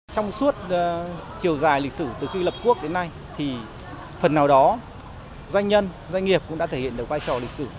trong suốt chiều dài lịch sử từ khi lập quốc đến nay thì phần nào đó doanh nhân doanh nghiệp cũng đã thể hiện được vai trò lịch sử